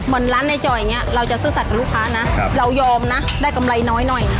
เหมือนร้านนายจอยเนี่ยเราจะซื่อสัตย์กับลูกค้านะเรายอมนะได้กำไรน้อย